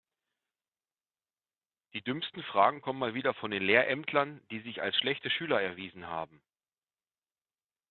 Die dümmsten Fragen kommen mal wieder von den Lehrämtlern, die sich als schlechte Schüler erwiesen haben.